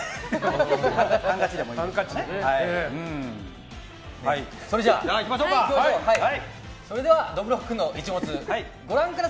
ハンカチでもいいです。